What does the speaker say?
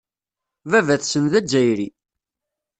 Baba-tsen d Azzayri.